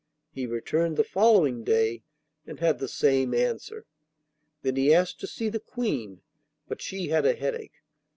He returned the following day, and had the same answer. Then he asked to see the Queen, but she had a headache.